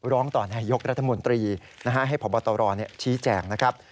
ร้องต่อนายยกรัฐมนตรีให้พบตรชี้แจงนะครับ